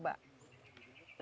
karena sungai purwong